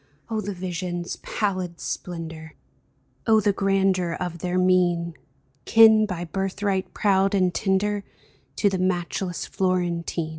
Oh, the vision's pallid splendor ! Oh, the grandeur of their mien — Kin, by birthright proud and tender, To the matchless Florentine